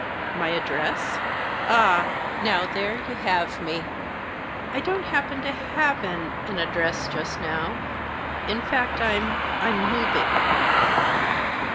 " My address ? Ah ! Now there you have me. I don't happen to have an — an address just now. In fact, I'm — Fm moving."